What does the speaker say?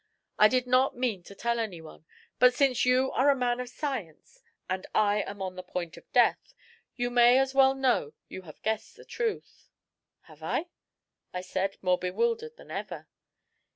"I did not mean to tell anyone; but since you are a man of science and I am on the point of death, you may as well know you have guessed the truth." "Have I?" I said, more bewildered than ever.